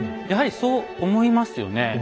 やはりそう思いますよね。